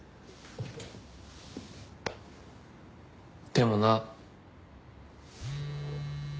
でもな。